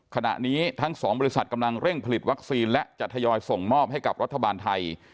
ขณะนี้ทั้งสองบริษัทกำลังเร่งผลิตวัคซีนและจะทยอยส่งมอบให้กับรัฐบาลไทย